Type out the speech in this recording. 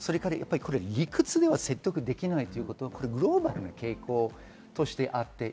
理屈では説得できないということはグローバルな傾向としてあります。